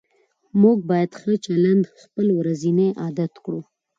موږ باید ښه چلند خپل ورځنی عادت کړو